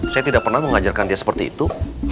saya tidak pernah mengajarkan dia seperti itu